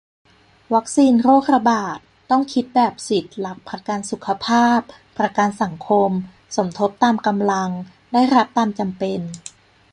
วัคซีนโรคระบาด ต้องคิดแบบสิทธิ์-หลักประกันสุขภาพ-ประกันสังคม สมทบตามกำลัง ได้รับตามจำเป็น